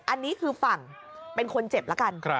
อันนี้คือฝั่งเป็นคนเจ็บแล้วกัน